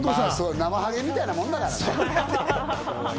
なまはげみたいなもんだからね。